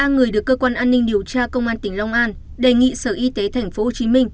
ba người được cơ quan an ninh điều tra công an tỉnh long an đề nghị sở y tế tp hcm